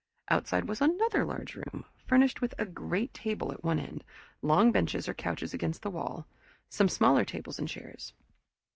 Outside was another large room, furnished with a great table at one end, long benches or couches against the wall, some smaller tables and chairs.